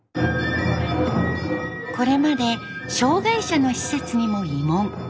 これまで障害者の施設にも慰問。